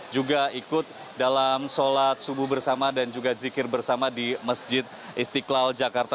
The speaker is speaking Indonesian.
juga ikut dalam sholat subuh bersama dan juga zikir bersama di masjid istiqlal jakarta